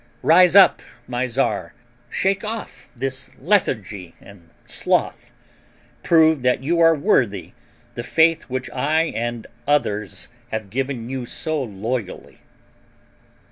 Rise up, my Czar! Shake off this lethargy and sloth. Prove that you are worthy of the faith which I and others have given you so loyally!"